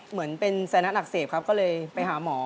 เหมือนเป็นไซนะอักเสบครับก็เลยไปหาหมอ